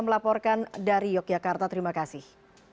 melaporkan dari yogyakarta terima kasih